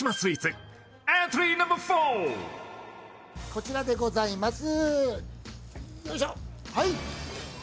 こちらでございます。